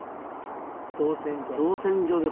造船所。